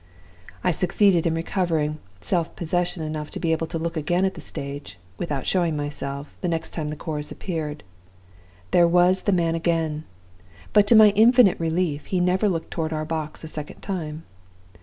I succeeded in recovering self possession enough to be able to look again at the stage (without showing myself) the next time the chorus appeared. There was the man again! But to my infinite relief he never looked toward our box a second time.